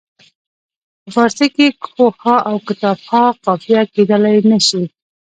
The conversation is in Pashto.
په فارسي کې کوه ها او کتاب ها قافیه کیدلای نه شي.